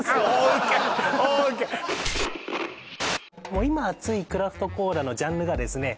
もう今熱いクラフトコーラのジャンルがですね